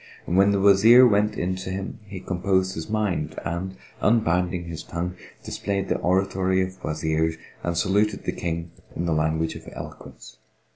When the Wazir went in to him, he composed his mind and, unbinding his tongue, displayed the oratory of Wazirs and saluted the King in the language of eloquence.